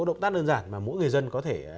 động tác đơn giản mà mỗi người dân có thể